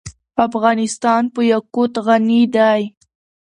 افغانستان په یاقوت غني دی.